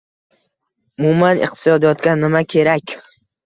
- Umuman, iqtisodiyotga nima kerak?